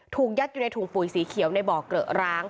ยัดอยู่ในถุงปุ๋ยสีเขียวในบ่อเกลอะร้าง